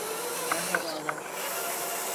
Merhabalar.